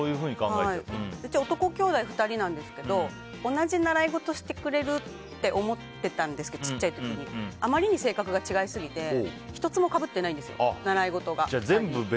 うち、男兄弟２人なんですけど小さい時に同じ習い事をしてくれるって思ってたんですけどあまりに性格が違いすぎて１つもかぶってないんです習い事が。